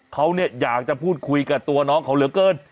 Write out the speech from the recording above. เขาอยากจะพูดคุยกับตัวน้องเขาเหลือเกิน